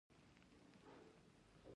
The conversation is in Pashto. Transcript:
د پام وړ کارونه ورته وشول.